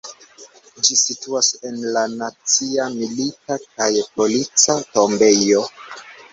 Ĝi situas en la Nacia Milita kaj Polica Tombejo.